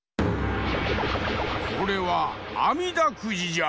これは「あみだくじ」じゃ！